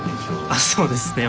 あっそうですね。